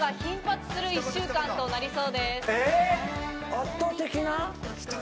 圧倒的な？